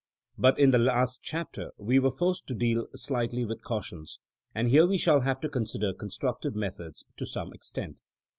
But in the last chapter we were forced to deal slightly with cautions, and here we shall have to consider constructive methods to some extent.